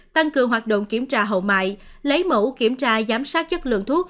tăng cường hoạt động kiểm tra hậu mại lấy mẫu kiểm tra giám sát chất lượng thuốc